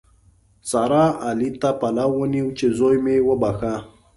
سارا؛ علي ته پلو ونیو چې زوی مې وبښه.